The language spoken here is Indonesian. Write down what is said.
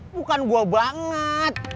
bukan gue banget